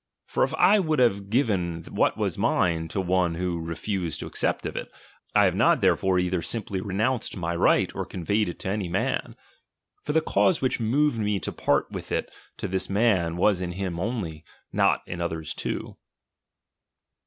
For if I would have given what was mine to one who refused to accept of it, I have not therefore either simply renounced my right, or conveyed it to any man. For the cause which moved me to part with it to this man, was in him only, not in others too.